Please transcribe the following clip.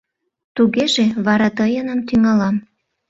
Тугеже вара тыйыным тӱҥалам.